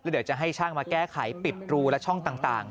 เดี๋ยวจะให้ช่างมาแก้ไขปิดรูและช่องต่าง